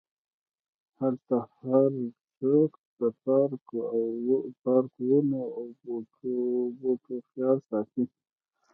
هلته هرڅوک د پارک، ونو او بوټو خیال ساتي.